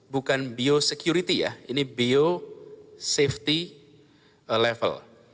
bukan biosecurity ya ini biosafety level